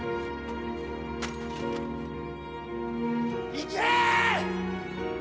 行け！